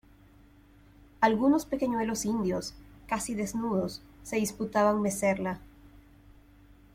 algunos pequeñuelos indios, casi desnudos , se disputaban mecerla.